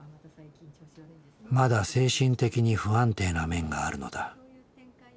まだ精神的に不安定な面があるのだ。